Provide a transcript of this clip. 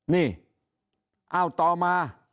นี่เอาต่อมา